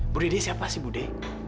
buddha dia siapa sih buddha